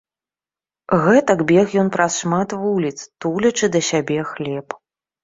Гэтак бег ён праз шмат вуліц, тулячы да сябе хлеб.